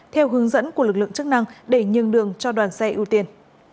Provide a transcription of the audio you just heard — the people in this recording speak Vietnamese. theo hướng dẫn của lực lượng chức năng để nhường đường cho đoàn xe ưu tiên